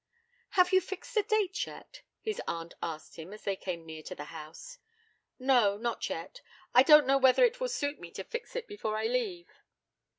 'Have you fixed a day yet?' his aunt asked him as they came near to her house. 'No, not yet; I don't know whether it will suit me to fix it before I leave.'